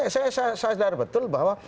saya sadar betul bahwa